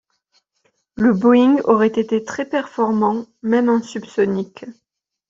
Le Boeing aurait été très performant, même en subsonique.